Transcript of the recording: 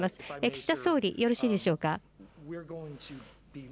岸田総理、よろしいでしょうか。